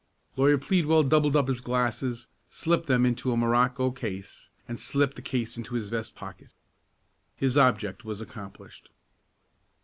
Lawyer Pleadwell doubled up his glasses, slipped them into a morocco case, and slipped the case into his vest pocket. His object was accomplished.